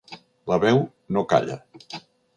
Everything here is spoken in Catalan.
La veu no calla.